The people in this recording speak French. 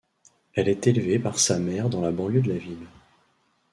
Elle est élevée par sa mère dans la banlieue de la ville.